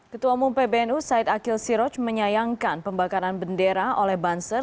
ketua umum pbnu said akil siroj menyayangkan pembakaran bendera oleh banser